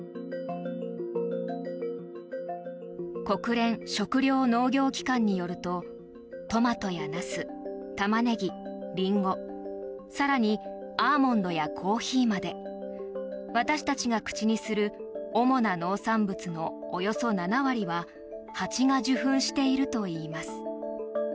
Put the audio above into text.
国連食糧農業機関によるとトマトやナス、タマネギ、リンゴ更に、アーモンドやコーヒーまで私たちが口にする主な農産物のおよそ７割は蜂が受粉しているといいます。